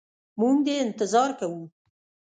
موږ دي انتظار کوو.